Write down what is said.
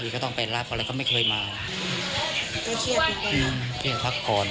อีกก็ต้องไปรับเพราะอะไรก็ไม่เคยมาอืมเครียดพักก่อนอืมเครียดพักก่อน